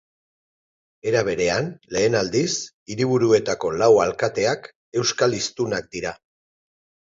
Era berean, lehen aldiz, hiriburuetako lau alkateak euskal hiztunak dira.